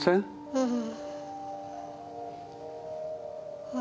うん。